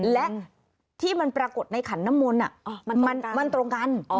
และที่มันปรากฏในขันน้ำมนต์มันตรงกัน